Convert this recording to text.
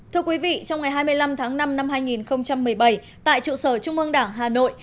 thưa quý vị trong ngày hai mươi năm tháng năm năm hai nghìn một mươi bảy tại trụ sở trung ương đảng hà nội